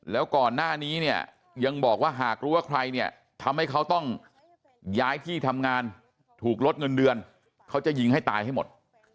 แล้วก่อนหน้านี้เนี่ยยังบอกว่าหากรู้ว่าใครเนี่ยทำให้เขาต้องย้ายที่ทำงานถูกลดเงินเดือนเขาจะยิงให้ตายให้หมด